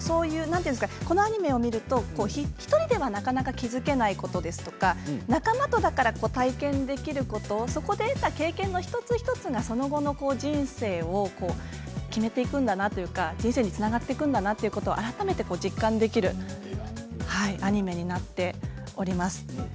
このアニメを見ると１人ではなかなか気付けないこととか仲間とだから体験できることそこで得た経験の一つ一つがその後の人生を決めていくんだなというか人生につながっていくんだなって改めて実感できるアニメになっています。